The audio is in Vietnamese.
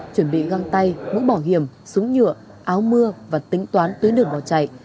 chuẩn bị găng tay mũ bảo hiểm súng nhựa áo mưa và tính toán tuyến đường bỏ chạy